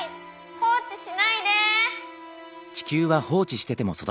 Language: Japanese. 放置しないで！